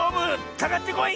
かかってこい！